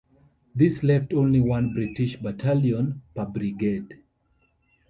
This left only one British battalion per brigade.